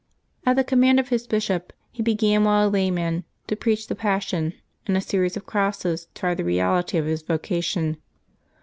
At the command of his bishop he began while a la3'Tiian to preach the Passion, and a series of crosses tried the reality of his vocation.